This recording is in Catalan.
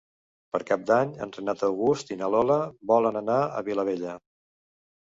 Per Cap d'Any en Renat August i na Lola volen anar a Vilabella.